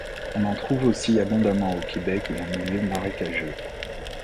On en trouve aussi abondamment au Québec en milieu marécageux.